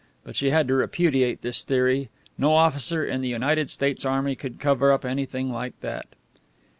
But she had to repudiate this theory. No officer in the United States Army could cover up anything like that.